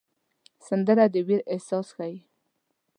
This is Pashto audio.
سندره د ویر احساس ښيي